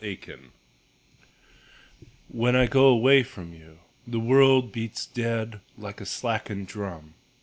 The Taxi When I go away from you The world beats dead Like a slackened drum.